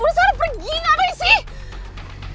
udah salah pergi gak apa apa sih